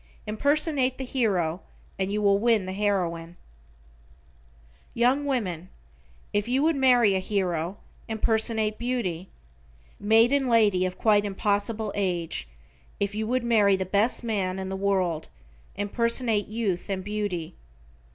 Impersonate the hero, and you will win the heroine. Young woman, if you would marry a hero, impersonate beauty. Maiden lady of quite impossible age, if you would marry the best man in the world, impersonate youth and beauty.